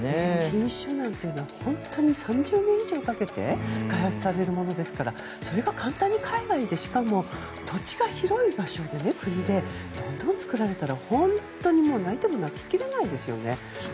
品種なんて本当に３０年以上かけて開発されるものですからそれが簡単に海外でしかも土地が広い場所、国でどんどん作られたら本当に泣いても泣ききれないですよね。